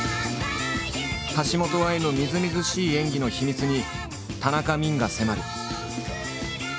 橋本愛のみずみずしい演技の秘密に田中泯が迫る。